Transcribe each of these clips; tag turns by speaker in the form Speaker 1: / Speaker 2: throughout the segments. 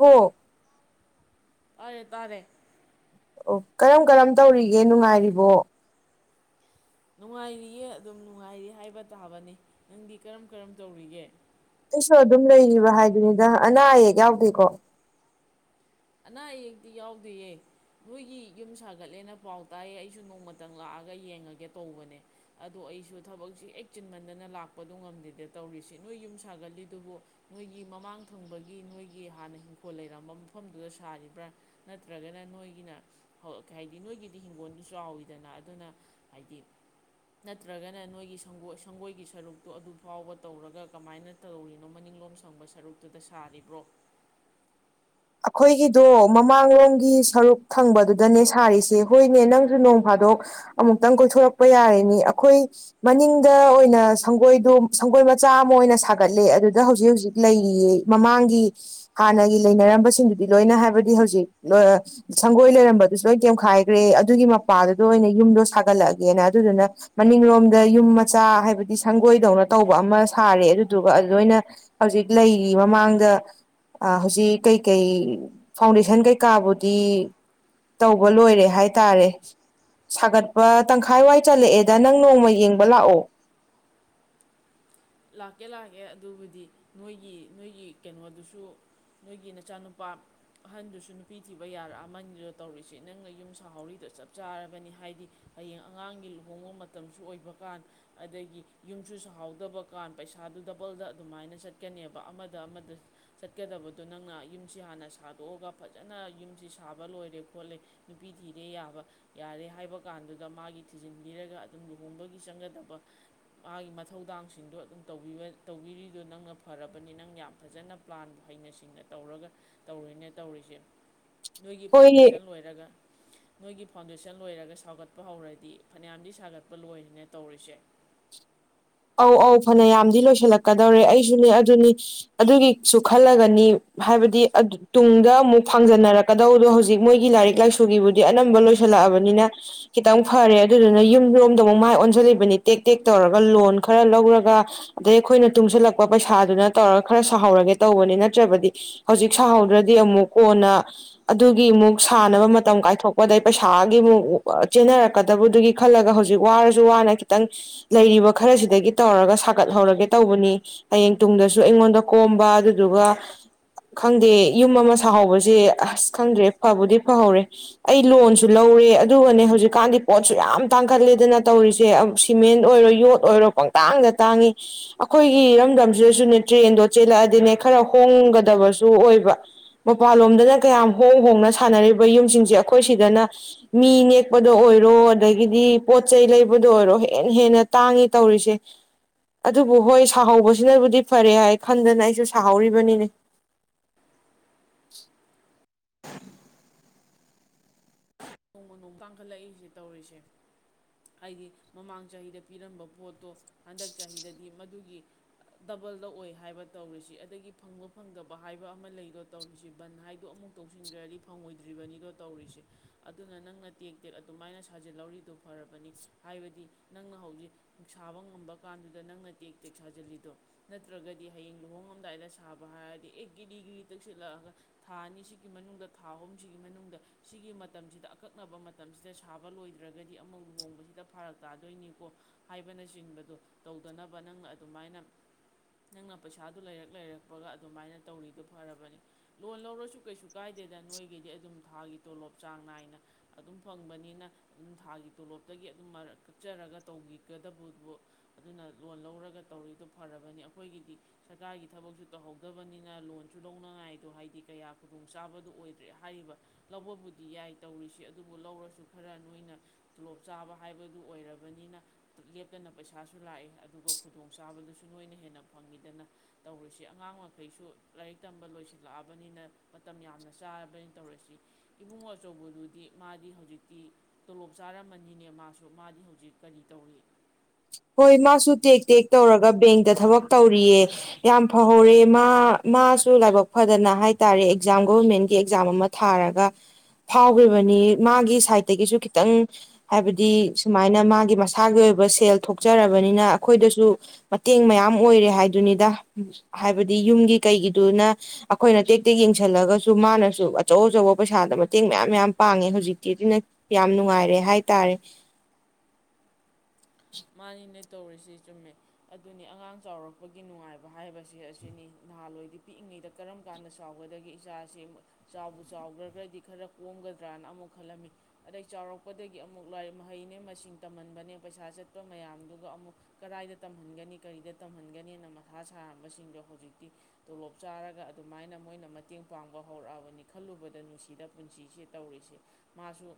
Speaker 1: ꯑꯣ
Speaker 2: ꯑꯔꯦ ꯇꯥꯔꯦ
Speaker 1: ꯑꯣ ꯀꯔꯝ ꯀꯔꯝ ꯇꯧꯔꯤꯒꯦ ꯅꯨꯡꯉꯥꯏꯔꯤꯕꯣ
Speaker 2: ꯅꯨꯡꯉꯥꯏꯔꯤꯌꯦ ꯑꯗꯨꯝ ꯅꯨꯡꯉꯥꯏꯔꯤ ꯍꯥꯏꯕ ꯇꯥꯕꯅꯤ ꯅꯪꯗꯤ ꯀꯔꯝ ꯀꯔꯝ ꯇꯧꯔꯤꯒꯦ
Speaker 1: ꯑꯩꯁꯨ ꯑꯗꯨꯝ ꯂꯩꯔꯤꯕ ꯍꯥꯏꯗꯨꯅꯤꯗ ꯑꯅꯥ ꯑꯌꯦꯛ ꯌꯥꯎꯗꯦꯀꯣ
Speaker 2: ꯑꯅꯥ ꯑꯌꯦꯛꯇꯤ ꯌꯥꯎꯗꯦꯌꯦ ꯅꯣꯏꯒꯤ ꯌꯨꯝ ꯁꯥꯒꯠꯂꯦꯅ ꯄꯥꯎ ꯇꯥꯏꯌꯦ ꯑꯩꯁꯨ ꯅꯣꯡꯃꯇꯪ ꯂꯥꯛꯑꯒ ꯌꯦꯡꯉꯒꯦ ꯇꯧꯕꯅꯦ ꯑꯗꯣ ꯑꯩꯁꯨ ꯊꯕꯛꯁꯤ ꯍꯦꯛ ꯆꯤꯟꯃꯟꯗꯅ ꯂꯥꯛꯄꯗꯣ ꯉꯝꯗꯦꯗ ꯇꯧꯔꯤꯁꯤ ꯅꯣꯏ ꯌꯨꯝ ꯁꯥꯒꯠꯂꯤꯗꯨꯕꯨ ꯅꯣꯏꯒꯤ ꯃꯃꯥꯡ ꯊꯪꯕꯒꯤ ꯅꯣꯏꯒꯤ ꯍꯥꯟꯅ ꯏꯪꯈꯣꯜ ꯂꯩꯔꯝꯝꯕ ꯃꯐꯝꯗꯨꯗ ꯁꯥꯔꯤꯕ꯭ꯔꯥ ꯅꯠꯇ꯭ꯔꯒꯅ ꯅꯣꯏꯒꯤꯅ ꯍꯥꯏꯗꯤ ꯅꯣꯏꯒꯤꯗꯤ ꯍꯤꯡꯒꯣꯜꯗꯨ ꯆꯥꯎꯋꯤꯗꯅ ꯑꯗꯨꯅ ꯍꯥꯏꯗꯤ ꯅꯠꯇ꯭ꯔꯒꯅ ꯅꯣꯏꯒꯤ ꯁꯪꯒꯣꯏ ꯁꯪꯒꯣꯏꯒꯤ ꯁꯔꯨꯛꯇꯣ ꯑꯗꯨ ꯐꯥꯎꯕ ꯇꯧꯔꯒ ꯀꯃꯥꯏꯅ ꯇꯧꯔꯤꯅꯣ ꯃꯅꯤꯡꯂꯣꯝ ꯁꯪꯕ ꯁꯔꯨꯛꯇꯨꯗ ꯁꯥꯔꯤꯕ꯭ꯔꯣ
Speaker 1: ꯑꯈꯣꯏꯒꯤꯗꯣ ꯃꯃꯥꯡꯂꯣꯝꯒꯤ ꯁꯔꯨꯛ ꯊꯪꯕꯗꯨꯗꯅꯦ ꯁꯥꯔꯤꯁꯦ ꯍꯣꯏꯅꯦ ꯅꯪꯖꯨ ꯅꯣꯡ ꯐꯥꯗꯣꯛ ꯑꯃꯨꯛꯇꯪ ꯀꯣꯏꯊꯣꯔꯛꯄ ꯌꯥꯔꯤꯅꯤ ꯑꯩꯈꯣꯏ ꯃꯅꯤꯡꯗ ꯑꯣꯏꯅ ꯁꯪꯒꯣꯏꯗꯣ ꯁꯪꯒꯣꯏ ꯃꯆꯥ ꯑꯃ ꯑꯣꯏꯅ ꯁꯥꯒꯠꯂꯦ ꯑꯗꯨꯗ ꯍꯧꯖꯤꯛ ꯍꯧꯖꯤꯛ ꯂꯩꯔꯤꯌꯦ ꯃꯃꯥꯡꯒꯤ ꯍꯥꯟꯅꯒꯤ ꯂꯩꯅꯔꯝꯕ ꯁꯤꯡꯗꯨꯗꯤ ꯂꯣꯏꯅ ꯍꯥꯏꯕꯗꯤ ꯍꯧꯖꯤꯛ ꯁꯪꯒꯣꯏ ꯂꯩꯔꯝꯕꯗꯨꯁꯨ ꯂꯣꯏꯅ ꯇꯦꯝꯈꯥꯏꯈ꯭ꯔꯦ ꯑꯗꯨꯒꯤ ꯃꯄꯥꯗꯨꯗ ꯑꯣꯏꯅ ꯌꯨꯝꯗꯣ ꯁꯥꯒꯠꯂꯛꯑꯒꯦꯅ ꯑꯗꯨꯗꯨꯅ ꯃꯅꯤꯡꯂꯣꯝꯗ ꯌꯨꯝ ꯃꯆꯥ ꯍꯥꯏꯕꯗꯤ ꯁꯪꯒꯣꯏꯗꯧꯅ ꯇꯧꯕ ꯑꯃ ꯁꯥꯔꯦ ꯑꯗꯨꯗꯨꯒ ꯑꯗꯨꯗꯅ ꯍꯧꯖꯤꯛ ꯂꯩꯔꯤ ꯃꯃꯥꯡꯗ ꯍꯧꯖꯤꯛ ꯀꯩ ꯀꯩ ꯐꯥꯎꯟꯗꯦꯁꯟ ꯀꯩꯀꯥꯕꯨꯗꯤ ꯇꯧꯕ ꯂꯣꯏꯔꯦ ꯍꯥꯏꯇꯥꯔꯦ ꯁꯥꯒꯠꯄ ꯇꯪꯈꯥꯏ ꯋꯥꯏ ꯆꯜꯂꯛꯑꯦꯗ ꯅꯪ ꯅꯣꯡꯃ ꯌꯦꯡꯕ ꯂꯥꯛꯑꯣ
Speaker 2: ꯂꯥꯛꯀꯦ ꯂꯥꯛꯀꯦ ꯑꯗꯨꯕꯨꯗꯤ ꯅꯣꯏꯒꯤ ꯅꯣꯏꯒꯤ ꯀꯩꯅꯣꯗꯨꯁꯨ ꯅꯣꯏꯒꯤ ꯅꯆꯥꯅꯨꯄꯥ ꯑꯍꯟꯗꯨꯁꯨ ꯅꯨꯄꯤ ꯊꯤꯕ ꯌꯥꯔꯑꯗꯨꯗ ꯇꯧꯔꯤꯁꯤ ꯅꯪꯅ ꯌꯨꯝ ꯁꯥꯍꯧꯔꯤꯗ ꯆꯞ ꯆꯥꯔꯕꯅꯤ ꯍꯥꯏꯗꯤ ꯍꯌꯦꯡ ꯑꯉꯥꯡꯒꯤ ꯂꯨꯍꯣꯡꯕ ꯃꯇꯝꯁꯨ ꯑꯣꯏꯕ ꯀꯥꯟ ꯑꯗꯒꯤ ꯌꯨꯝꯁꯨ ꯁꯥꯍꯧꯗꯕ ꯀꯥꯟ ꯄꯩꯁꯥꯗꯨ ꯗꯕꯜꯗ ꯑꯗꯨꯃꯥꯏꯅ ꯆꯠꯀꯅꯦꯕ ꯑꯃꯗ ꯑꯃꯗ ꯆꯠꯀꯗꯕꯗꯣ ꯅꯪꯅ ꯌꯨꯝꯁꯤ ꯍꯥꯟꯅ ꯁꯥꯗꯣꯛꯑꯒ ꯐꯖꯅ ꯌꯨꯝꯁꯤ ꯁꯥꯕ ꯂꯣꯏꯔꯦ ꯈꯣꯠꯂꯦ ꯅꯨꯄꯤ ꯊꯤꯔꯦ ꯌꯥꯕ ꯌꯥꯔꯦ ꯍꯥꯏꯕ ꯀꯥꯟꯗꯨꯗ ꯃꯥꯒꯤ ꯊꯤꯖꯤꯟꯕꯤꯔꯒ ꯑꯗꯨꯝ ꯂꯨꯍꯣꯡꯕꯒꯤ ꯆꯪꯒꯗꯕ ꯃꯥꯒꯤ ꯃꯊꯧꯗꯥꯡ ꯁꯤꯡꯗꯣ ꯑꯗꯨꯝ ꯇꯧꯕꯤꯔꯤꯗꯣ ꯅꯪꯅ ꯐꯔꯕꯅꯤ ꯅꯪ ꯌꯥꯝ ꯐꯖꯅ ꯄ꯭ꯂꯥꯟ ꯍꯩꯅ ꯁꯤꯡꯅ ꯇꯧꯔꯒ ꯇꯧꯔꯣꯏꯅꯦ ꯇꯧꯔꯤꯁꯦ ꯅꯣꯏꯒꯤ
Speaker 1: ꯍꯣꯏ
Speaker 2: ꯐꯥꯎꯟꯗꯦꯁꯟ ꯂꯣꯏꯔꯒ ꯅꯣꯏꯒꯤ ꯐꯥꯎꯟꯗꯦꯁꯟ ꯂꯣꯏꯔꯒ ꯁꯥꯒꯠꯄ ꯍꯧꯔꯗꯤ ꯐꯅꯌꯥꯝꯗꯤ ꯁꯥꯒꯠꯄ ꯂꯣꯏꯔꯦꯅꯦ ꯇꯧꯔꯤꯁꯦ
Speaker 1: ꯑꯧ ꯑꯧ ꯐꯅ ꯌꯥꯝꯗꯤ ꯂꯣꯏꯁꯤꯜꯂꯛꯀꯗꯧꯔꯦ ꯑꯩꯁꯨꯅꯦ ꯑꯗꯨꯅꯤ ꯑꯗꯨꯒꯤꯁꯨ ꯈꯜꯂꯒꯅꯤ ꯍꯥꯏꯕꯗꯤ ꯇꯨꯡꯗ ꯑꯃꯨꯛ ꯐꯪꯖꯟꯅꯔꯛꯀꯗꯧꯕꯗꯣ ꯍꯧꯖꯤꯛ ꯃꯣꯏꯒꯤ ꯂꯥꯏꯔꯤꯛ ꯂꯥꯏꯁꯨꯒꯤꯕꯨꯗꯤ ꯑꯅꯝꯕ ꯂꯣꯏꯁꯤꯜꯂꯛꯑꯕꯅꯤꯅ ꯈꯤꯇꯪ ꯐꯔꯦ ꯑꯗꯨꯗꯨꯅ ꯌꯨꯝꯔꯣꯝꯗ ꯑꯃꯨꯛ ꯃꯥꯏ ꯑꯣꯟꯁꯤꯜꯂꯤꯕꯅꯤ ꯇꯦꯛ ꯇꯦꯛ ꯇꯧꯔꯒ ꯂꯣꯟ ꯈꯔ ꯂꯧꯔꯒ ꯑꯗꯩ ꯑꯩꯈꯣꯏꯅ ꯇꯨꯡꯁꯤꯜꯂꯛꯄ ꯄꯩꯁꯥꯗꯨꯅ ꯇꯧꯔꯒ ꯈꯔ ꯁꯥꯍꯧꯔꯒꯦ ꯇꯧꯕꯅꯤ ꯅꯠꯇ꯭ꯔꯕꯗꯤ ꯍꯧꯖꯤꯛ ꯁꯥꯍꯧꯗ꯭ꯔꯗꯤ ꯑꯃꯨꯛ ꯀꯣꯟꯅ ꯑꯗꯨꯒꯤ ꯑꯃꯨꯛ ꯁꯥꯅꯕ ꯃꯇꯝ ꯀꯥꯏꯊꯣꯛꯄꯗꯩ ꯄꯩꯁꯥꯒꯤ ꯑꯃꯨꯛ ꯆꯦꯟꯅꯔꯛꯀꯗꯕꯗꯨꯒꯤ ꯈꯜꯂꯒ ꯍꯧꯖꯤꯛ ꯋꯥꯔꯁꯨ ꯋꯥꯅ ꯈꯤꯇꯪ ꯂꯩꯔꯤꯕ ꯈꯔꯁꯤ ꯇꯧꯔꯒ ꯁꯥꯒꯠꯍꯧꯔꯒꯦ ꯇꯧꯕꯅꯤ ꯍꯌꯦꯡ ꯇꯨꯡꯗꯁꯨ ꯑꯩꯉꯣꯟꯗ ꯀꯣꯝꯕ ꯑꯗꯨꯗꯨꯒ ꯈꯪꯗꯦ ꯌꯨꯝ ꯑꯃ ꯁꯥꯍꯧꯕꯁꯦ ꯑꯁ ꯈꯪꯗ꯭ꯔꯦ ꯐꯕꯨꯗꯤ ꯐꯍꯧꯔꯦ ꯑꯩ ꯂꯣꯟꯁꯨ ꯂꯧꯔꯦ ꯑꯗꯨꯒꯅꯦ ꯍꯧꯖꯤꯛꯀꯥꯟꯗꯤ ꯄꯣꯠꯁꯨ ꯌꯥꯝ ꯇꯥꯡꯈꯠꯂꯦꯗꯅ ꯇꯧꯔꯤꯁꯦ ꯁꯤꯃꯦꯟ ꯑꯣꯏꯔꯣ ꯌꯣꯠ ꯑꯣꯏꯔꯣ ꯄꯪꯇꯥꯡꯗ ꯇꯥꯡꯉꯤ ꯑꯩꯈꯣꯏꯒꯤ ꯏꯔꯝꯗꯝꯁꯤꯗꯁꯨꯅꯦ ꯇ꯭ꯔꯦꯟꯗꯣ ꯆꯦꯜꯂꯛꯑꯗꯤꯅꯦ ꯈꯔ ꯍꯣꯡꯒꯗꯕꯁꯨ ꯑꯣꯏꯕ ꯃꯄꯥꯟꯂꯣꯝꯗꯅ ꯀꯌꯥꯝ ꯍꯣꯡ ꯍꯣꯡꯅ ꯁꯥꯟꯅꯔꯤꯕ ꯌꯨꯝꯁꯤꯡꯁꯦ ꯑꯩꯈꯣꯏ ꯁꯤꯗꯅ ꯃꯤ ꯅꯦꯛꯄꯗ ꯑꯣꯏꯔꯣ ꯑꯗꯒꯤꯗꯤ ꯄꯣꯠ ꯆꯩ ꯂꯩꯕꯗ ꯑꯣꯏꯔꯣ ꯍꯦꯟꯅ ꯍꯦꯟꯅ ꯇꯥꯡꯉꯤ ꯇꯧꯔꯤꯁꯦ ꯑꯗꯨꯕꯨ ꯍꯣꯏ ꯁꯥꯍꯧꯕꯁꯤꯅꯕꯨꯗꯤ ꯐꯔꯦ ꯍꯥꯏ ꯈꯟꯗꯅ ꯑꯩꯁꯨ ꯁꯥꯍꯧꯔꯤꯕꯅꯤꯅꯦ [unintelligible]
Speaker 2: ꯅꯣꯡꯃ ꯅꯣꯡ ꯇꯥꯡꯈꯠꯂꯛꯏꯁꯦ ꯇꯧꯔꯤꯁꯦ ꯍꯥꯏꯗꯤ ꯃꯃꯥꯡ ꯆꯍꯤꯗ ꯄꯤꯔꯝꯕ ꯄꯣꯠꯇꯣ ꯍꯟꯗꯛ ꯆꯍꯤꯗꯗꯤ ꯃꯗꯨꯒꯤ ꯗꯕꯜꯗ ꯑꯣꯏ ꯍꯥꯏꯕ ꯇꯧꯔꯤꯁꯤ ꯑꯗꯒꯤ ꯐꯪꯕ ꯐꯪꯗꯕ ꯍꯥꯏꯕ ꯑꯃ ꯂꯩꯔꯣ ꯇꯧꯔꯤꯁꯤ ꯕꯟ ꯍꯥꯏꯗꯣ ꯑꯃꯨꯛ ꯇꯧꯁꯤꯟꯈ꯭ꯔꯗꯤ ꯐꯪꯉꯣꯏꯗ꯭ꯔꯤꯕꯅꯤꯗꯣ ꯇꯧꯔꯤꯁꯦ ꯑꯗꯨꯅ ꯅꯪꯅ ꯇꯦꯛ ꯇꯦꯛ ꯑꯗꯨꯃꯥꯏꯅ ꯁꯥꯖꯤꯜꯍꯧꯔꯤꯗꯨꯣ ꯐꯔꯕꯅꯤ ꯍꯥꯏꯕꯗꯤ ꯅꯪꯅ ꯍꯧꯖꯤꯛ ꯁꯥꯕ ꯉꯝꯕ ꯀꯥꯟꯗꯨꯗ ꯅꯪꯅ ꯇꯦꯛ ꯇꯦꯛ ꯁꯥꯖꯤꯜꯂꯤꯗꯣ ꯅꯠꯇ꯭ꯔꯒꯗꯤ ꯍꯌꯦꯡ ꯂꯨꯍꯣꯡꯉꯝꯗꯥꯏꯗ ꯁꯥꯕ ꯍꯥꯏꯔꯗꯤ ꯑꯦ ꯒꯤꯔꯤ ꯘꯔꯤ ꯇꯛꯁꯤꯜꯂꯛꯑꯒ ꯊꯥ ꯑꯅꯤꯁꯤꯒꯤ ꯃꯅꯨꯡꯗ ꯊꯥ ꯑꯍꯨꯝꯁꯤꯒꯤ ꯃꯅꯨꯡꯗ ꯁꯤꯒꯤ ꯃꯇꯝꯁꯤꯗ ꯑꯀꯛꯅꯕ ꯃꯇꯝꯁꯤꯗ ꯁꯥꯕ ꯂꯣꯏꯗ꯭ꯔꯒꯗꯤ ꯑꯃ ꯂꯨꯍꯣꯡꯕꯁꯤꯗ ꯐꯔꯛ ꯇꯥꯗꯣꯏꯅꯤꯀꯣ ꯍꯥꯏꯕꯅꯆꯤꯡꯕꯗꯣ ꯇꯧꯗꯅꯕ ꯅꯪꯅ ꯑꯗꯨꯃꯥꯏꯅ ꯅꯪꯅ ꯄꯩꯁꯥꯗꯨ ꯂꯩꯔꯛ ꯂꯩꯔꯛꯄꯒ ꯑꯗꯨꯃꯥꯏꯅ ꯇꯧꯔꯤꯗꯨꯣ ꯐꯔꯕꯅꯤ ꯂꯣꯟ ꯂꯧꯔꯁꯨ ꯀꯩꯁꯨ ꯀꯥꯏꯗꯦꯗ ꯅꯣꯏꯒꯤꯗꯤ ꯑꯗꯨꯝ ꯊꯥꯒꯤ ꯇꯣꯂꯣꯞ ꯆꯥꯡ ꯅꯥꯏꯅ ꯑꯗꯨꯝ ꯐꯪꯕꯅꯤꯅ ꯑꯗꯨꯝ ꯊꯥꯒꯤ ꯇꯣꯂꯣꯞꯇꯒꯤ ꯑꯗꯨꯝ ꯀꯛꯆꯔꯒ ꯇꯧꯕꯤꯒꯗꯕꯕꯨ ꯑꯗꯨꯅ ꯂꯣꯟ ꯂꯧꯔꯒ ꯇꯧꯔꯤꯗꯣ ꯐꯔꯕꯅꯤ ꯑꯩꯈꯣꯏꯒꯤꯗꯤ ꯁꯔꯀꯥꯔꯒꯤ ꯊꯕꯛꯁꯨ ꯇꯧꯍꯧꯗꯕꯅꯤꯅ ꯂꯣꯟꯁꯨ ꯂꯧꯅꯉꯥꯏꯗꯣ ꯍꯥꯏꯗꯤ ꯀꯌꯥ ꯈꯨꯗꯣꯡꯆꯥꯥꯕꯗꯨ ꯑꯣꯏꯗ꯭ꯔꯦ ꯍꯥꯏꯔꯤꯕ ꯂꯧꯕꯕꯨ ꯗꯤ ꯌꯥꯏ ꯇꯧꯔꯤꯁꯤ ꯑꯗꯨꯕꯨ ꯂꯧꯔꯁꯨ ꯈꯔ ꯅꯣꯏꯅ ꯇꯣꯂꯣꯞ ꯆꯥꯕ ꯍꯥꯏꯕꯗꯨ ꯑꯣꯏꯔꯕꯅꯤꯅ ꯂꯦꯞꯇꯅ ꯄꯩꯁꯥꯁꯨ ꯂꯥꯛꯑꯦ ꯑꯗꯨꯒ ꯈꯨꯗꯣꯡ ꯆꯥꯕꯗꯨꯁꯨ ꯅꯣꯏꯅ ꯍꯦꯟꯅ ꯐꯪꯉꯤꯗꯅ ꯇꯧꯔꯤꯁꯤ ꯑꯉꯥꯡ ꯃꯈꯩꯁꯨ ꯂꯥꯏꯔꯤꯛ ꯇꯝꯕ ꯂꯣꯏꯁꯤꯜꯂꯛꯑꯕꯅꯤꯅ ꯃꯇꯝ ꯌꯥꯝꯅ ꯆꯥꯔꯕꯅꯤꯅ ꯇꯧꯔꯁꯤ ꯏꯕꯨꯡ ꯑꯆꯧꯕꯗꯨꯗꯤ ꯃꯥꯗꯤ ꯍꯧꯖꯤꯛꯇꯤ ꯇꯣꯂꯣꯞ ꯆꯥꯔꯝꯃꯅꯤꯅꯦ ꯃꯥꯁꯨ ꯃꯥꯗꯤ ꯍꯧꯖꯤꯛ ꯀꯔꯤ ꯇꯧꯔꯤ
Speaker 1: ꯍꯣꯏ ꯃꯥꯁꯨ ꯇꯦꯛ ꯇꯦꯛ ꯇꯧꯔꯒ ꯕꯦꯡꯇ ꯊꯕꯛ ꯇꯧꯔꯤꯌꯦ ꯌꯥꯝ ꯐꯍꯧꯔꯦ ꯃꯥ ꯃꯥꯁꯨ ꯂꯥꯏꯕꯛ ꯐꯗꯅ ꯍꯥꯏ ꯇꯥꯔꯦ ꯑꯦꯛꯖꯥꯝ ꯒꯣꯚꯔꯃꯦꯟꯒꯤ ꯑꯦꯛꯖꯥꯝ ꯑꯃ ꯊꯥꯔꯒ ꯐꯥꯎꯈ꯭ꯔꯤꯕꯅꯤ ꯃꯥꯒꯤ ꯁꯥꯏꯠꯇꯒꯤꯁꯨ ꯈꯤꯇꯪ ꯍꯥꯏꯕꯗꯤ ꯁꯨꯃꯥꯏꯅ ꯃꯥꯒꯤ ꯃꯁꯥꯒꯤ ꯑꯣꯏꯕ ꯁꯦꯜ ꯊꯣꯛꯆꯔꯕꯅꯤꯅ ꯑꯩꯈꯣꯏꯗꯁꯨ ꯃꯇꯦꯡ ꯃꯌꯥꯝ ꯑꯣꯏꯔꯦ ꯍꯥꯏꯗꯨꯅꯤꯗ ꯍꯥꯏꯕꯗꯤ ꯌꯨꯝꯒꯤ ꯀꯩꯒꯤꯗꯨꯅ ꯑꯩꯈꯣꯏꯅ ꯇꯦ ꯇꯦꯛ ꯌꯦꯡꯁꯤꯜꯂꯒꯁꯨ ꯃꯥꯅꯁꯨ ꯑꯆꯧ ꯑꯆꯧꯕ ꯄꯩꯁꯥꯗ ꯃꯇꯦꯡ ꯃꯌꯥꯝ ꯌꯥꯝ ꯄꯥꯡꯉꯦ ꯍꯧꯖꯤꯛꯇꯤ ꯑꯗꯨꯅ ꯌꯥꯝ ꯅꯨꯡꯉꯥꯏꯔꯦ ꯍꯥꯏꯇꯥꯔꯦ
Speaker 2: ꯃꯥꯅꯤꯅꯦ ꯇꯧꯔꯤꯁꯤ ꯆꯨꯝꯃꯦ ꯑꯗꯨꯅꯤ ꯑꯉꯥꯡ ꯆꯥꯎꯔꯛꯄꯒꯤ ꯅꯨꯡꯉꯥꯏꯕ ꯍꯥꯏꯕꯁꯦ ꯑꯁꯤꯅꯤ ꯅꯍꯥꯟꯋꯥꯏꯗꯤ ꯄꯤꯛꯏꯉꯩꯗ ꯀꯔꯝ ꯀꯥꯟꯗ ꯆꯥꯎꯒꯗꯒꯦ ꯏꯆꯥꯁꯤ ꯆꯥꯎꯕ ꯆꯥꯎꯈ꯭ꯔꯒ꯭ꯔꯗꯤ ꯈꯔ ꯀꯣꯝꯒꯗ꯭ꯔꯅ ꯑꯃꯨꯛ ꯈꯜꯂꯝꯃꯤ ꯑꯗꯩ ꯆꯥꯎꯔꯛꯄꯗꯒꯤ ꯑꯃꯨꯛ ꯂꯥꯏꯔꯤꯛ ꯃꯍꯩꯅꯦ ꯃꯁꯤꯡ ꯇꯝꯍꯟꯕꯅꯦ ꯄꯩꯁꯥ ꯈꯣꯄ ꯃꯌꯥꯝꯗꯨꯒ ꯑꯃꯨꯛ ꯀꯗꯥꯏꯗ ꯇꯝꯍꯟꯒꯅꯤ ꯀꯔꯤꯗ ꯇꯝꯍꯟꯒꯅꯤꯅ ꯃꯊꯥ ꯁꯥꯔꯝꯕꯁꯤꯡꯗꯣ ꯍꯧꯖꯤꯛꯇꯤ ꯇꯣꯂꯣꯞ ꯆꯥꯔꯒ ꯑꯗꯨꯃꯥꯏꯅ ꯃꯣꯏꯅ ꯃꯇꯦꯡ ꯄꯥꯡꯕ ꯍꯧꯔꯛꯑꯕꯅꯤ ꯈꯜꯂꯨꯕꯗ ꯅꯨꯡꯁꯤꯗ ꯄꯨꯟꯁꯤꯁꯦ ꯇꯧꯔꯤꯁꯦ ꯃꯥꯁꯨ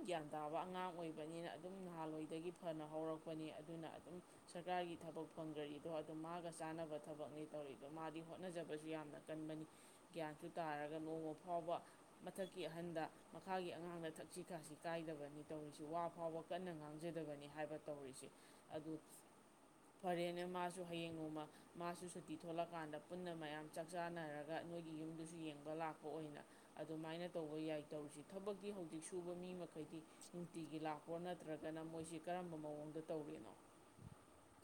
Speaker 2: ꯒ꯭ꯌꯥꯟ ꯇꯥꯕ ꯑꯉꯥꯡ ꯑꯣꯏꯕꯅꯤꯅ ꯑꯗꯨꯝ ꯅꯍꯥꯟꯋꯥꯏꯗꯒꯤ ꯐꯅ ꯍꯧꯔꯛꯄꯅꯤ ꯑꯗꯨꯅ ꯑꯗꯨꯝ ꯁꯔꯀꯥꯔꯒꯤ ꯊꯕꯛ ꯐꯪꯈ꯭ꯔꯤꯗꯣ ꯑꯗꯨꯝ ꯃꯥꯒ ꯆꯥꯅꯕ ꯊꯕꯛꯅꯤ ꯇꯧꯔꯤꯗꯣ ꯃꯥꯗꯤ ꯍꯣꯠꯅꯖꯕꯁꯨ ꯌꯥꯝꯅ ꯀꯟꯕꯅꯤ ꯒ꯭ꯌꯥꯟꯁꯨ ꯇꯥꯔꯒ ꯅꯣꯡꯃ ꯐꯥꯎꯕ ꯃꯊꯛꯀꯤ ꯑꯍꯟꯗ ꯃꯈꯥꯒꯤ ꯑꯉꯥꯡꯗ ꯊꯛꯁꯤ ꯈꯥꯁꯤ ꯀꯥꯏꯗꯕꯅꯤ ꯇꯧꯔꯤꯁꯤ ꯋꯥ ꯐꯥꯎꯕ ꯀꯟꯅ ꯉꯥꯡꯖꯗꯕꯅꯤ ꯍꯥꯏꯕ ꯇꯧꯔꯤꯁꯦ ꯑꯗꯨ ꯐꯔꯦꯅꯦ ꯃꯥꯁꯨ ꯍꯌꯦꯡ ꯅꯣꯡꯃ ꯃꯥꯁꯨ ꯁꯨꯇꯤ ꯊꯣꯛꯣꯂꯛꯀꯥꯟꯗ ꯄꯨꯟꯅ ꯃꯌꯥꯝ ꯆꯥꯛ ꯆꯥꯅꯔꯒ ꯅꯣꯏꯒꯤ ꯌꯨꯝꯗꯨꯁꯨ ꯌꯦꯡꯕ ꯂꯥꯛꯄ ꯑꯣꯏꯅ ꯑꯗꯨꯃꯥꯏꯅ ꯇꯧꯕ ꯌꯥꯏ ꯇꯧꯔꯤꯁꯤꯦ ꯊꯕꯛꯇꯤ ꯍꯧꯖꯤꯛ ꯁꯨꯕ ꯃꯤ ꯃꯈꯩꯗꯤ ꯅꯨꯡꯇꯤꯒꯤ ꯂꯥꯛꯄꯣ ꯅꯠꯇ꯭ꯔꯒꯅ ꯃꯣꯏꯁꯤ ꯀꯔꯝꯕ ꯃꯑꯣꯡꯗ ꯇꯧꯔꯤꯏꯅꯣ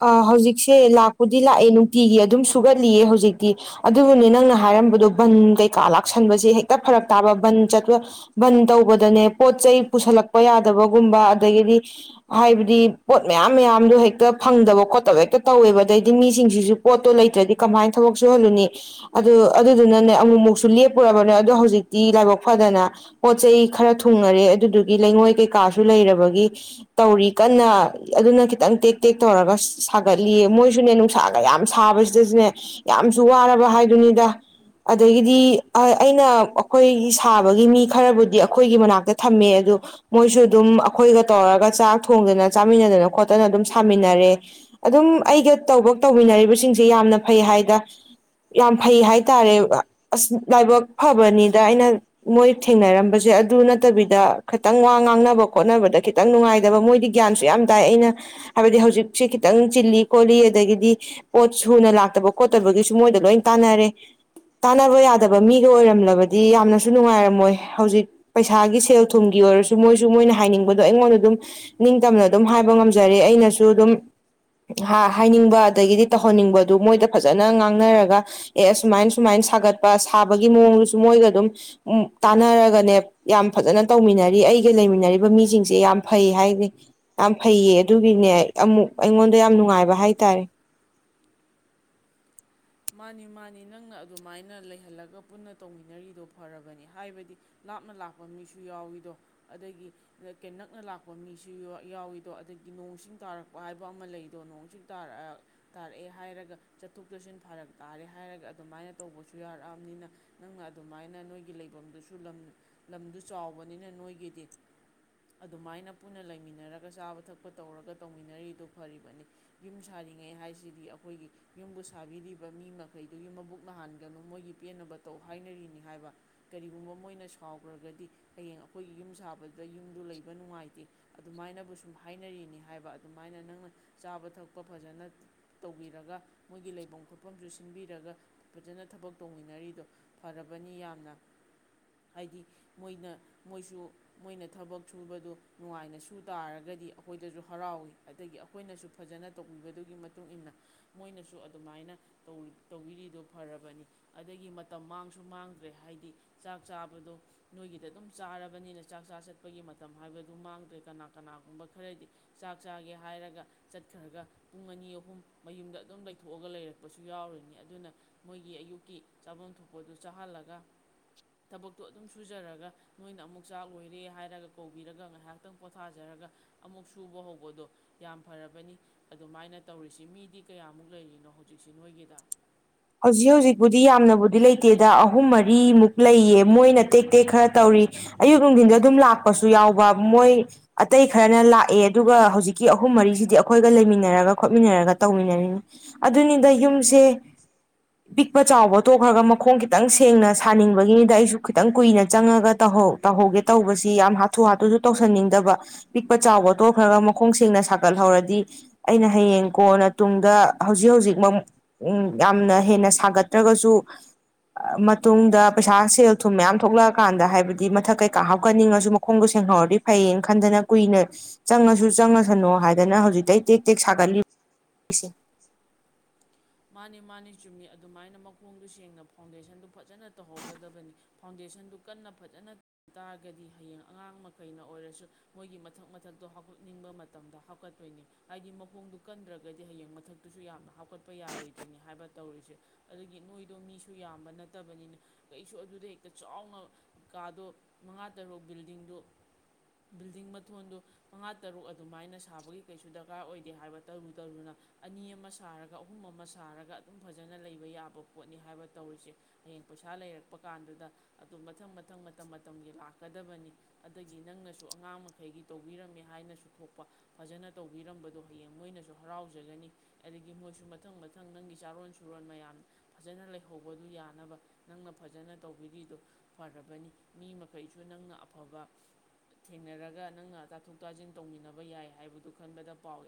Speaker 1: ꯑ ꯍꯧꯖꯤꯛꯁꯦ ꯂꯥꯛꯄꯨꯗꯤ ꯂꯥꯛꯑꯦ ꯅꯨꯡꯇꯤꯒꯤ ꯑꯗꯨꯝ ꯁꯨꯒꯠꯂꯤꯌꯦ ꯍꯧꯖꯤꯛꯇꯤ ꯑꯗꯨꯕꯨꯅꯦ ꯅꯪꯅ ꯍꯥꯏꯔꯝꯕꯗꯣ ꯕꯟ ꯀꯩꯀꯥ ꯂꯥꯛꯁꯟꯕꯁꯦ ꯍꯦꯛꯇ ꯐꯔꯛ ꯇꯥꯕ ꯕꯟ ꯆꯠꯄ ꯕꯟ ꯇꯧꯕꯗꯅꯦ ꯄꯣꯠ ꯆꯩ ꯄꯨꯁꯜꯂꯛꯄ ꯌꯥꯗꯕꯒꯨꯝꯕ ꯑꯗꯒꯤꯗꯤ ꯍꯥꯏꯕꯗꯤ ꯄꯣꯠ ꯃꯌꯥꯝ ꯃꯌꯥꯝꯗꯣ ꯍꯦꯛꯇ ꯐꯪꯗꯕ ꯈꯣꯠꯇꯕ ꯍꯦꯛꯇ ꯇꯧꯋꯦꯕ ꯑꯗꯩꯗꯤ ꯃꯤꯁꯤꯡꯁꯤꯁꯨ ꯄꯣꯠꯇꯣ ꯂꯩꯇ꯭ꯔꯗꯤ ꯀꯃꯥꯏꯅ ꯊꯕꯛ ꯁꯨꯍꯜꯂꯨꯅꯤ ꯑꯗꯨ ꯑꯗꯨꯗꯨꯅꯅꯦ ꯑꯃꯨꯛꯃꯨꯛꯁꯨ ꯂꯦꯞꯄꯨꯔꯕꯅꯦ ꯑꯗꯣ ꯍꯧꯖꯤꯛꯇꯤ ꯂꯥꯏꯕꯛ ꯐꯗꯅ ꯄꯣꯠ ꯆꯩ ꯈꯔ ꯊꯨꯡꯉꯔꯦ ꯑꯗꯨꯗꯨꯒꯤ ꯂꯩꯉꯣꯏ ꯀꯩꯀꯥꯁꯨ ꯂꯩꯔꯕꯒꯤ ꯇꯧꯔꯤ ꯀꯟꯅ ꯑꯗꯨꯅ ꯈꯤꯇꯪ ꯇꯦꯛ ꯑꯦꯦꯛ ꯇꯧꯔꯒ ꯁꯥꯒꯠꯂꯤꯌꯦ ꯃꯣꯏꯁꯨꯅꯦ ꯅꯨꯡꯁꯥꯒ ꯌꯥꯝ ꯁꯥꯕꯁꯤꯗꯁꯨꯅꯦ ꯌꯥꯝꯁꯨ ꯋꯥꯔꯕ ꯍꯥꯏꯗꯨꯅꯤꯗ ꯑꯗꯒꯤꯗꯤ ꯑꯩꯅ ꯑꯩꯈꯣꯏꯒꯤ ꯁꯥꯕꯒꯤ ꯃꯤ ꯈꯔꯕꯨꯗꯤ ꯑꯩꯈꯣꯏꯒꯤ ꯃꯅꯥꯛꯇ ꯊꯝꯃꯦ ꯑꯗ ꯃꯣꯏꯁꯨ ꯑꯗꯨꯝ ꯑꯩꯈꯣꯏꯒ ꯇꯧꯔꯒ ꯆꯥꯛ ꯊꯣꯡꯗꯅ ꯆꯥꯃꯤꯟꯅꯗꯅ ꯈꯣꯠꯇꯅ ꯑꯗꯨꯝ ꯁꯥꯃꯤꯟꯅꯔꯦ ꯑꯗꯨꯝ ꯑꯩꯒ ꯇꯕꯛ ꯇꯧꯃꯤꯟꯅꯔꯤꯕꯁꯤꯡꯁꯦ ꯌꯥꯝꯅ ꯐꯩ ꯍꯥꯏꯗ ꯌꯥꯝ ꯐꯩ ꯍꯥꯏꯇꯥꯔꯦ ꯑꯁ ꯂꯥꯏꯕꯛ ꯐꯕꯅꯤꯗ ꯑꯩꯅ ꯃꯣꯏ ꯊꯦꯡꯅꯔꯝꯕꯁꯦ ꯑꯗꯨ ꯅꯠꯇꯕꯤꯗ ꯈꯤꯇꯪ ꯋꯥ ꯉꯥꯡꯅꯕ ꯈꯣꯠꯅꯕꯗ ꯈꯤꯇꯪ ꯅꯨꯡꯉꯥꯏꯇꯕ ꯃꯣꯏꯗꯤ ꯒ꯭ꯌꯥꯟꯁꯨ ꯌꯥꯝ ꯇꯥꯏ ꯑꯩꯅ ꯍꯥꯏꯕꯗꯤ ꯍꯧꯖꯤꯛꯁꯤ ꯈꯤꯇꯪ ꯆꯤꯜꯂꯤ ꯈꯣꯠꯂꯤ ꯑꯗꯒꯤꯗꯤ ꯄꯣꯠ ꯁꯨꯅ ꯂꯥꯛꯇꯕ ꯈꯣꯠꯇꯕꯒꯤꯁꯨ ꯃꯣꯏꯗ ꯂꯣꯏ ꯇꯥꯟꯅꯔꯦ ꯇꯥꯟꯅꯕ ꯌꯥꯗꯕ ꯃꯤꯒ ꯑꯣꯏꯔꯝꯂꯕꯗꯤ ꯌꯥꯝꯅꯁꯨ ꯅꯨꯡꯉꯥꯏꯔꯝꯃꯣꯏ ꯍꯧꯖꯤꯛ ꯄꯩꯁꯥꯒꯤ ꯁꯦꯜ ꯊꯨꯝꯒꯤ ꯑꯣꯏꯔꯁꯨ ꯃꯣꯏꯁꯨ ꯃꯣꯏꯅ ꯍꯥꯏꯅꯤꯡꯕꯗꯣ ꯑꯩꯉꯣꯟꯗ ꯑꯗꯨꯝ ꯅꯤꯡꯇꯝꯅ ꯑꯗꯨꯝ ꯍꯥꯏꯕ ꯉꯝꯖꯔꯦ ꯑꯩꯅꯁꯨ ꯑꯗꯨꯝ ꯍꯥꯏꯅꯤꯡꯕ ꯑꯗꯒꯤꯗꯤ ꯇꯧꯍꯟꯅꯤꯡꯕꯗꯨ ꯃꯣꯏꯗ ꯐꯖꯅ ꯉꯥꯡꯅꯔꯒ ꯑꯦ ꯑꯃꯥꯏꯅ ꯁꯨꯃꯥꯏꯅ ꯁꯥꯒꯠꯄ ꯁꯥꯕꯒꯤ ꯃꯑꯣꯡꯗꯨꯁꯨ ꯃꯣꯏꯒ ꯑꯗꯨꯝ ꯇꯥꯟꯅꯔꯒꯅꯦ ꯌꯥꯝ ꯐꯖꯅ ꯇꯧꯃꯤꯟꯅꯔꯤ ꯑꯩꯒ ꯂꯩꯃꯤꯟꯅꯔꯤꯕ ꯃꯤꯁꯤꯡꯁꯦ ꯌꯥꯝ ꯐꯩ ꯍꯥꯏꯗꯤ ꯌꯥꯝ ꯐꯩꯌꯦ ꯑꯗꯨꯒꯤꯅꯦ ꯑꯃꯨꯛ ꯑꯩꯉꯣꯟꯗ ꯌꯥꯝ ꯅꯨꯡꯉꯥꯏꯕ ꯍꯥꯏꯇꯥꯔꯦ
Speaker 2: ꯃꯥꯅꯤ ꯃꯥꯅꯤ ꯅꯪꯅ ꯑꯗꯨꯃꯥꯏꯅ ꯂꯩꯍꯜꯂꯒ ꯄꯨꯟꯅ ꯇꯧꯃꯤꯟꯅꯔꯤꯗꯣ ꯐꯔꯕꯅꯤ ꯍꯥꯏꯕꯗꯤ ꯂꯥꯞꯅ ꯂꯥꯛꯄ ꯃꯤꯁꯨ ꯌꯥꯎꯏꯗꯣ ꯑꯗꯒꯤ ꯀ ꯅꯛꯅ ꯂꯥꯛꯄ ꯃꯤꯁꯨ ꯌꯥꯎꯏꯗꯣ ꯑꯗꯒꯤ ꯅꯣꯡꯁꯤꯡ ꯇꯥꯔꯛꯄ ꯍꯥꯏꯕ ꯑꯃ ꯂꯩꯗꯣ ꯅꯣꯡꯁꯤꯡꯥꯔ ꯇꯥꯔꯛꯑꯦ ꯍꯥꯏꯔꯒ ꯆꯠꯊꯣꯛ ꯆꯠꯁꯤꯟ ꯐꯔꯛ ꯇꯥꯔꯦ ꯍꯥꯏꯔꯒ ꯑꯗꯨꯃꯥꯏꯅ ꯇꯧꯕꯁꯨ ꯌꯥꯔꯛꯑꯕꯅꯤꯅ ꯅꯪꯅ ꯑꯗꯨꯃꯥꯏꯅ ꯅꯣꯏꯒꯤ ꯂꯩꯐꯝꯗꯨꯁꯨ ꯂꯝ ꯂꯝꯗꯨ ꯆꯥꯎꯕꯅꯤꯅ ꯅꯣꯏꯒꯤꯗꯤ ꯑꯗꯨꯃꯥꯏꯅ ꯄꯨꯟꯅ ꯂꯩꯃꯤꯟꯅꯔꯒ ꯆꯥꯕ ꯊꯛꯄ ꯇꯧꯔꯒ ꯇꯧꯃꯤꯟꯅꯔꯤꯗꯨ ꯐꯔꯤꯕꯅꯤ ꯌꯨꯝ ꯁꯥꯔꯤꯉꯩ ꯍꯥꯏꯁꯤꯗꯤ ꯑꯩꯈꯣꯏꯒꯤ ꯌꯨꯝꯕꯨ ꯁꯥꯕꯤꯗꯤ ꯃꯤ ꯃꯈꯩꯗꯨꯒꯤ ꯃꯕꯨꯛ ꯅꯥꯍꯟꯒꯅꯨ ꯃꯣꯏꯒꯤ ꯄꯦꯟꯅꯕ ꯇꯧ ꯍꯥꯏꯅꯔꯤꯅꯤ ꯍꯥꯏꯕ ꯀꯔꯤꯒꯨꯝꯕ ꯃꯣꯏꯅ ꯁꯥꯎꯈ꯭ꯔꯒꯗꯤ ꯍꯌꯦꯡ ꯑꯩꯈꯣꯏꯒꯤ ꯌꯨꯝ ꯁꯥꯕꯗ ꯌꯨꯝꯗꯨ ꯂꯩꯕ ꯅꯨꯡꯉꯥꯏꯇꯦ ꯑꯗꯨꯃꯥꯏꯅꯕꯨ ꯁꯨꯝ ꯍꯥꯏꯅꯔꯤꯅꯤ ꯍꯥꯏꯕ ꯑꯗꯨꯃꯥꯏꯅ ꯅꯪꯅ ꯆꯥꯕ ꯊꯛꯄ ꯐꯖꯅ ꯇꯧꯕꯤꯔꯒ ꯃꯣꯏꯒꯤ ꯂꯩꯐꯝ ꯃꯐꯝꯁꯨ ꯁꯤꯟꯕꯤꯔꯒ ꯐꯖꯅ ꯊꯕꯛ ꯇꯧꯃꯤꯟꯅꯔꯤꯗꯣ ꯐꯔꯕꯅꯤ ꯌꯥꯝꯅ ꯍꯥꯏꯗꯤ ꯃꯣꯏꯅ ꯃꯣꯏꯁꯨ ꯃꯣꯏꯅ ꯊꯕꯛ ꯁꯨꯕꯗ ꯅꯨꯡꯉꯥꯏꯅ ꯁꯨ ꯇꯥꯔꯒꯗꯤ ꯑꯩꯈꯣꯏꯗꯁꯨ ꯍꯔꯥꯎꯋꯤ ꯑꯗꯒꯤ ꯑꯩꯈꯣꯏꯅꯁꯨ ꯐꯖꯅ ꯇꯧꯕꯤꯕꯗꯨꯒꯤ ꯃꯇꯨꯡ ꯃꯇꯨꯡꯏꯟꯅ ꯃꯣꯏꯅꯁꯨ ꯑꯗꯨꯃꯥꯏꯅ ꯇꯧꯕꯤꯔꯤꯗꯨꯣ ꯐꯔꯕꯅꯤ ꯑꯗꯒꯤ ꯃꯇꯝ ꯃꯥꯡꯁꯨ ꯃꯥꯡꯗ꯭ꯔꯦ ꯍꯥꯏꯗꯤ ꯆꯥꯛ ꯆꯥꯕꯗꯣ ꯅꯣꯏꯒꯤꯗ ꯑꯗꯨꯝ ꯆꯥꯔꯕꯅꯤꯅ ꯆꯥꯛ ꯆꯥ ꯆꯠꯄꯒꯤ ꯃꯇꯝ ꯍꯥꯏꯕꯗꯨ ꯃꯥꯡꯗ꯭ꯔꯦ ꯀꯅꯥ ꯀꯅꯥꯒꯨꯝꯕ ꯈꯔꯗꯤ ꯆꯥꯛ ꯆꯥꯒꯦ ꯍꯥꯏꯔꯒ ꯆꯠꯈ꯭ꯔꯒ ꯄꯨꯡ ꯑꯅꯤ ꯑꯍꯨꯝ ꯃꯌꯨꯝꯗ ꯑꯗꯨꯝ ꯂꯩꯊꯣꯛꯑꯒ ꯂꯩꯔꯛꯦ ꯊꯣꯛꯄꯁꯨ ꯌꯥꯎꯔꯤꯅꯤ ꯑꯗꯨꯅ ꯃꯣꯏꯒꯤ ꯑꯌꯨꯛꯀꯤ ꯆꯥꯐꯝ ꯊꯣꯛꯄꯗꯨ ꯆꯥꯍꯜꯂꯒ ꯊꯕꯛꯇꯣ ꯑꯗꯨꯝ ꯁꯨꯖꯔꯒ ꯅꯣꯏꯅ ꯑꯃꯨꯛ ꯆꯥꯛ ꯂꯣꯏꯔꯦ ꯍꯥꯏꯔꯒ ꯀꯧꯕꯤꯔꯒ ꯉꯥꯏꯍꯥꯛꯇꯪ ꯄꯣꯊꯥꯖꯔꯒ ꯑꯃꯨꯛ ꯁꯨꯕ ꯍꯧꯕꯗꯣ ꯌꯥꯝ ꯐꯔꯕꯅꯤ ꯑꯗꯨꯃꯥꯏꯅ ꯇꯧꯔꯤꯁꯤ ꯃꯤꯗꯤ ꯀꯌꯥꯃꯨꯛ ꯂꯩꯔꯤꯅꯣꯖꯤꯛ ꯍꯁꯇ꯭ꯔꯤꯛꯁꯤ ꯅꯣꯏꯒꯤꯗ
Speaker 1: ꯍꯧꯖꯤꯛ ꯍꯧꯖꯤꯛꯄꯨꯗꯤ ꯌꯥꯝꯅꯕꯨꯗꯤ ꯂꯩꯇꯦꯗ ꯑꯍꯨꯝ ꯃꯔꯤꯃꯨꯛ ꯂꯩꯌꯦ ꯃꯣꯏꯅ ꯇꯦꯛ ꯇꯦꯛ ꯈꯔ ꯇꯧꯔꯤ ꯑꯌꯨꯛ ꯅꯨꯡꯊꯤꯟꯗ ꯑꯗꯨꯝ ꯂꯥꯛꯄꯁꯨ ꯌꯥꯎꯕ ꯃꯣꯏ ꯑꯇꯩ ꯈꯔꯅ ꯂꯥꯛꯑꯦ ꯑꯗꯨꯒ ꯍꯧꯖꯤꯛꯀꯤ ꯑꯍꯨꯝ ꯃꯔꯤꯁꯤꯗꯤ ꯑꯩꯈꯣꯏꯒ ꯂꯩꯃꯤꯟꯅꯔꯒ ꯈꯣꯠꯃꯤꯟꯅꯔꯒ ꯇꯧꯃꯤꯟꯅꯔꯤꯅꯤ ꯑꯗꯨꯅꯤꯗ ꯌꯨꯝꯁꯦ ꯄꯤꯛꯄ ꯆꯥꯎꯕ ꯇꯣꯛꯈ꯭ꯔꯒ ꯃꯈꯣꯡ ꯈꯤꯇꯪ ꯁꯦꯡꯅ ꯁꯥꯅꯤꯡꯕꯒꯤꯅꯤꯗ ꯑꯩꯁꯨ ꯈꯤꯇꯪ ꯀꯨꯏꯅ ꯆꯪꯉꯒ ꯇꯧꯍꯧꯒꯦ ꯇꯧꯕꯁꯤ ꯌꯥꯝ ꯍꯥꯊꯨ ꯍꯥꯊꯨꯁꯨ ꯇꯧꯁꯟꯅꯤꯡꯗꯕ ꯄꯤꯛꯄ ꯆꯥꯎꯕ ꯇꯣꯛꯈ꯭ꯔꯒ ꯃꯈꯣꯡ ꯁꯦꯡꯅ ꯁꯥꯒꯠꯍꯧꯔꯗꯤ ꯑꯩꯅ ꯍꯌꯦꯡ ꯀꯣꯅ ꯇꯨꯡꯗ ꯍꯧꯖꯤꯛ ꯍꯧꯖꯤꯛꯃꯛ ꯌꯥꯝꯅ ꯍꯦꯟꯅ ꯁꯥꯒꯠꯇ꯭ꯔꯒꯁꯨ ꯃꯇꯨꯡꯗ ꯄꯩꯁꯥ ꯁꯦꯜ ꯊꯨꯝ ꯃꯌꯥꯝ ꯊꯣꯛꯂꯛꯑꯀꯥꯟꯗ ꯍꯥꯏꯕꯗꯤ ꯃꯊꯛ ꯀꯩꯀꯥ ꯍꯥꯞꯀꯠꯅꯤꯡꯉꯁꯨ ꯃꯈꯣꯡꯗꯣ ꯁꯦꯡꯍꯧꯔꯗꯤ ꯐꯩꯌꯦꯅ ꯈꯟꯗꯅ ꯀꯨꯏꯅ ꯆꯪꯉꯁꯨ ꯆꯪꯉꯁꯅꯨ ꯍꯥꯏꯗꯅ ꯍꯧꯖꯤꯛꯇꯇꯩ ꯇꯦꯛ ꯇꯦꯛ ꯁꯥꯒꯠꯂꯤꯁꯦ
Speaker 2: ꯃꯥꯅꯤ ꯃꯥꯅꯤ ꯆꯨꯝꯃꯤ ꯑꯗꯨꯃꯥꯏꯅ ꯃꯈꯣꯡꯗꯨ ꯁꯦꯡꯅ ꯐꯥꯎꯟꯗꯦꯁꯟꯗꯨ ꯐꯖꯅ ꯇꯧꯍꯧꯒꯗꯕꯅꯤ ꯐꯥꯎꯟꯗꯦꯁꯟꯗꯨ ꯀꯟꯅ ꯐꯖꯅ ꯇꯥꯔꯒꯗꯤ ꯍꯌꯦꯡ ꯑꯉꯥꯡ ꯃꯈꯩꯅ ꯑꯣꯏꯔꯁꯨ ꯃꯣꯏꯒꯤ ꯃꯊꯛ ꯃꯊꯛꯇꯣ ꯍꯥꯞꯀꯠꯅꯤꯡꯕ ꯃꯇꯝꯗ ꯍꯥꯞꯀꯠꯄꯩꯅꯤ ꯍꯥꯏꯗꯤ ꯃꯈꯣꯡꯗꯨ ꯀꯟꯗ꯭ꯔꯒꯗꯤ ꯍꯌꯦꯡ ꯃꯊꯛꯇꯨꯁꯨ ꯌꯥꯝꯅ ꯍꯥꯞꯀꯠꯄ ꯆꯠꯄ ꯌꯥꯔꯣꯏꯗ꯭ꯔꯔꯤꯅꯤ ꯍꯥꯏꯕ ꯇꯧꯔꯤꯁꯦ ꯑꯗꯨꯗꯒꯤ ꯅꯣꯏꯗꯣ ꯃꯤꯁꯨ ꯌꯥꯝꯕ ꯅꯠꯇꯕꯅꯤꯅ ꯀꯩꯁꯨ ꯑꯗꯨꯗ ꯍꯦꯛꯇ ꯆꯥꯎꯅ ꯀꯥꯗꯣ ꯃꯉꯥ ꯇꯔꯨꯛ ꯕꯤꯜꯗꯤꯡꯗ ꯕꯤꯜꯗꯤꯡ ꯃꯊꯣꯟꯗꯨ ꯃꯉꯥ ꯇꯔꯨꯛ ꯑꯗꯨꯃꯥꯏꯅ ꯁꯥꯕꯒꯤ ꯀꯩꯁꯨ ꯗꯔꯀꯥꯔ ꯑꯣꯏꯗꯦ ꯍꯥꯏꯕ ꯇꯧꯔꯨ ꯇꯧꯔꯨꯅ ꯑꯅꯤ ꯑꯃ ꯁꯥꯔꯒ ꯑꯍꯨꯝ ꯑꯃ ꯁꯥꯔꯒ ꯑꯗꯨꯝ ꯐꯖꯅ ꯂꯩꯕ ꯌꯥꯕ ꯄꯣꯠꯅꯤ ꯍꯥꯏꯕ ꯇꯧꯔꯤꯁꯦ ꯍꯌꯦꯡ ꯄꯩꯁꯥ ꯂꯩꯔꯛꯄ ꯀꯥꯟꯗꯨꯗ ꯑꯗꯨꯝ ꯃꯊꯪ ꯃꯊꯪ ꯃꯇꯝ ꯃꯇꯝꯒꯤ ꯂꯥꯛꯀꯗꯕꯅꯤ ꯑꯗꯒꯤ ꯅꯪꯅꯁꯨ ꯑꯉꯥꯡ ꯃꯈꯩꯒꯤ ꯇꯧꯕꯤꯔꯝꯃꯦ ꯍꯥꯏꯅꯁꯨ ꯊꯣꯛꯄ ꯐꯖꯅ ꯇꯧꯕꯤꯔꯝꯕꯗꯣ ꯍꯌꯦꯡ ꯃꯣꯏꯅꯁꯨ ꯍꯔꯥꯎꯖꯒꯅꯤ ꯑꯗꯒꯤ ꯃꯣꯏꯁꯨ ꯃꯊꯪ ꯃꯊꯪ ꯅꯪꯒꯤ ꯆꯥꯔꯣꯟ ꯁꯨꯔꯣꯟ ꯃꯌꯥꯝ ꯐꯖꯅ ꯂꯩꯍꯧꯕꯗꯨ ꯌꯥꯅꯕ ꯅꯪꯅ ꯐꯖꯅ ꯇꯧꯕꯤꯔꯤꯗꯨ ꯐꯔꯕꯅꯤ ꯃꯤ ꯃꯈꯩꯁꯨ ꯅꯪꯅ ꯑꯐꯕ ꯊꯦꯡꯅꯔꯒ ꯅꯪꯅ ꯇꯥꯊꯣꯛ ꯇꯥꯖꯤꯟ ꯇꯧꯃꯤꯟꯅꯕ ꯌꯥꯏ ꯍꯥꯏꯕꯗꯨ ꯈꯟꯒꯗ ꯄꯥꯎ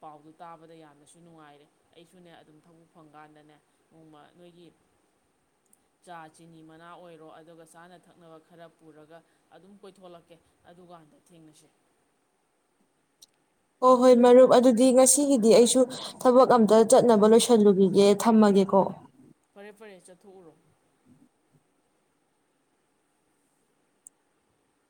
Speaker 2: ꯄꯥꯎꯗꯨ ꯇꯥꯕꯗ ꯌꯥꯝꯅꯁꯨ ꯅꯨꯡꯉꯥꯏꯔꯦ ꯑꯩꯁꯨꯅꯦ ꯑꯗꯨꯝ ꯊꯕꯛ ꯐꯪꯀꯥꯟꯗꯅꯦ ꯅꯣꯡꯃ ꯅꯣꯏꯒꯤ ꯆꯥ ꯆꯤꯅꯤ ꯃꯅꯥ ꯑꯣꯏꯔꯣ ꯑꯗꯨꯒ ꯆꯥꯅ ꯊꯛꯅꯕ ꯈꯔ ꯄꯨꯔꯒ ꯑꯗꯨꯝ ꯀꯣꯏꯊꯣꯛꯂꯛꯀꯦ ꯑꯗꯨꯒꯥꯟꯗ ꯊꯦꯡꯅꯁꯤ
Speaker 1: ꯍꯣ ꯍꯣꯏ ꯃꯔꯨꯞ ꯑꯗꯨꯗꯤ ꯉꯁꯤꯒꯤꯗꯤ ꯑꯩꯁꯨ ꯊꯕꯛ ꯑꯝꯇ ꯆꯠꯅꯕ ꯂꯣꯏꯁꯜꯂꯨꯒꯤꯒꯦ ꯊꯝꯃꯒꯦꯀꯣ
Speaker 2: ꯐꯔꯦ ꯐꯔꯦ ꯆꯠꯊꯣꯛꯎꯔꯣ